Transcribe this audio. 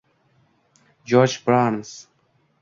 Jorj Barns